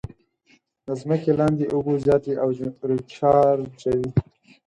د ځمکې لاندې اوبه زیاتې او ریچارجوي.